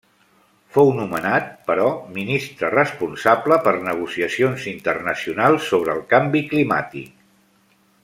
Fou nomenat, però, Ministre Responsable per Negociacions Internacionals sobre el Canvi Climàtic.